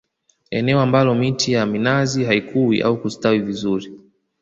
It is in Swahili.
Eneo ambalo miti ya minazi haikui au kustawi vizuri